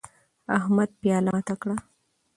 احمد پیاله ماته کړه